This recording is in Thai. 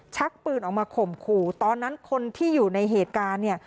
ชักปืนออกมาข่มขู่ตอนนั้นคนที่อยู่ในเหตุการณ์เนี่ย